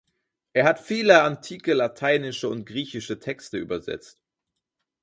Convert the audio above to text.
Er hat viele antike lateinische und griechische Texte übersetzt.